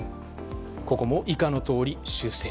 ここも以下のとおり修正。